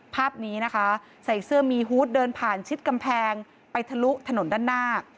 ภาพนี้นะคะใส่เสื้อมีฮูตเดินผ่านชิดกำแพงไปทะลุถนนด้านหน้า